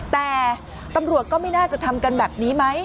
แต่ตำรวจก็ไม่น่าจะทำกันแบบนี้ไหม